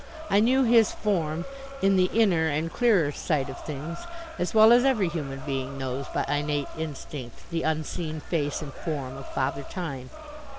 I knew his form, in the inner and clearer sight of things, as well as every human being knows by innate instinct, the Unseen face and form of Father Time.